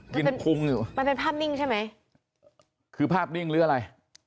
มันเป็นภาพนิ่งใช่ไหมคือภาพนิ่งหรืออะไร